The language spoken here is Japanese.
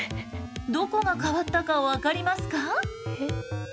どこが変わったか分かりますか？